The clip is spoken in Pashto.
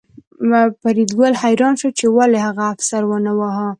فریدګل حیران شو چې ولې هغه افسر ونه واهه